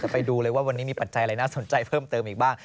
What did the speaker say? ไปดูเลยว่าวันนี้มีปัจจัยอะไรน่าสนใจเพิ่มเติมอีกบ้าง